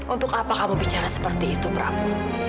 untuk apa kamu bicara seperti itu pramu